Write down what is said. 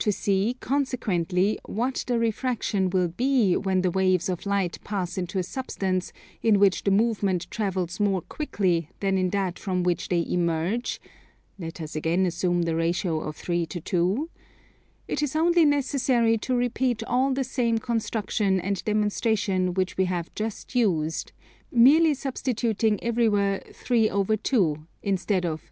To see, consequently, what the refraction will be when the waves of light pass into a substance in which the movement travels more quickly than in that from which they emerge (let us again assume the ratio of 3 to 2), it is only necessary to repeat all the same construction and demonstration which we have just used, merely substituting everywhere 3/2 instead of 2/3.